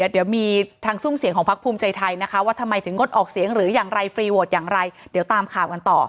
เดี๋ยวมีทางซุ่มเสียงของพักภูมิใจไทยนะคะว่าทำไมถึงงดออกเสียงหรืออย่างไรฟรีโหวตอย่างไรเดี๋ยวตามข่าวกันต่อ